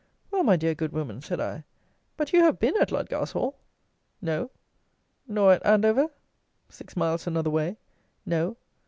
"Well, my dear good woman," said I, "but you have been at LUDGARSHALL?" "No." "Nor at Andover?" (six miles another way) "No."